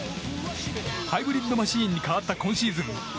ハイブリッドマシンに変わった今シーズン。